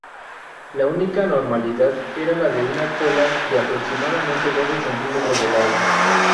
La única anormalidad era la de una cola de aproximadamente doce centímetros de largo.